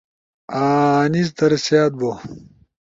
آنیس در سیات بو